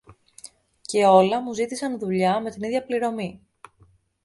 και όλα μου ζήτησαν δουλειά με την ίδια πληρωμή.